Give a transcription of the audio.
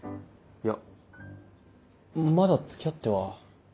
いやまだ付き合っては。